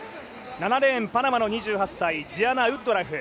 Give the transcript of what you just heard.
７レーン、パナマの２８歳ジアナ・ウッドラフ。